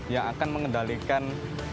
yang akan mengendalikan pengendalian